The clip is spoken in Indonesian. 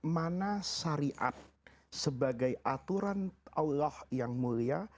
mana syariat sebagai aturan allah yang mulia